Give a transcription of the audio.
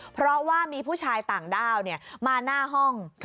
เพราะว่ามีผู้ชายต่างด้าวมาหน้าห้อง